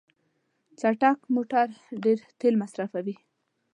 چټک موټر ډیر تېل مصرفوي.